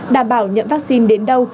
đảm bảo nhận vaccine đến đâu